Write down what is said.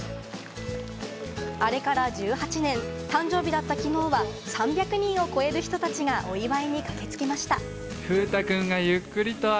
あれから１８年、誕生日だったきのうは３００人を超える人たちがお祝いに駆けつけました。